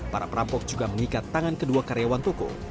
para perampok juga mengikat tangan kedua karyawan toko